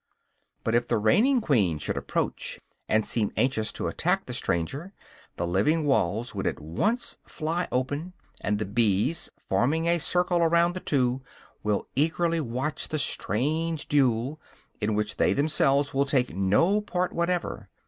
But if the reigning queen should approach, and seem anxious to attack the stranger, the living walls would at once fly open; and the bees, forming a circle around the two, will eagerly watch the strange duel, in which they themselves will take no part whatever.